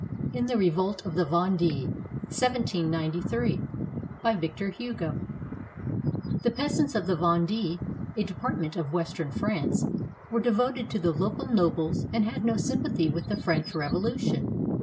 IN THE REVOLT OF THE VENDfiE BY VICTOR HUGO [The peasants of the Vendee, a department of western France, were devoted to the local nobles and had no sym pathy with the French Revolution.